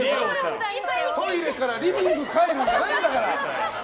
トイレからリビング帰るんじゃないんだから！